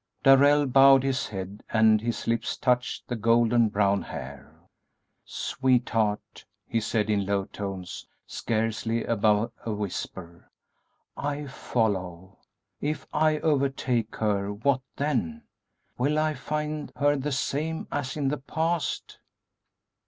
Darrell bowed his head and his lips touched the golden brown hair. "Sweetheart," he said, in low tones, scarcely above a whisper, "I follow; if I overtake her, what then? Will I find her the same as in the past?"